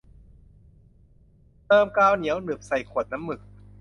เติมกาวเหนียวหนึบใส่ขวดน้ำหมึก